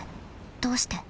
どうして？